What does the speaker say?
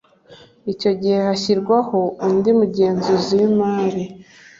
icyo gihe hashyirwaho undi mugenzuzi w imari